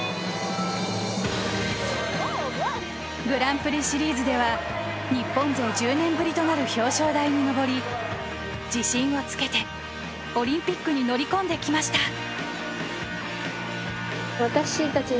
グランプリシリーズでは日本勢１０年ぶりとなる表彰台に上り自信をつけて、オリンピックに乗り込んできました。